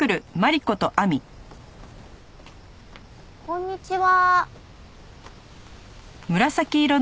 こんにちは。